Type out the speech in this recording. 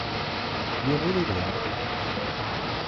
Yiwen ur yebɣi ad yeqdec.